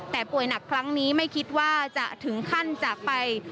แต่ป่วยหนักครั้งนี้ไม่คิดว่าจะถึงขั้นจากไป